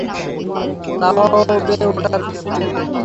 তা ও বে ওটার পিছু নিয়েছে।